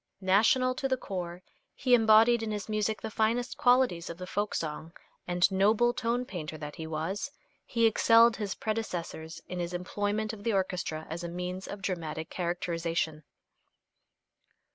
National to the core, he embodied in his music the finest qualities of the folk song, and noble tone painter that he was he excelled his predecessors in his employment of the orchestra as a means of dramatic characterization.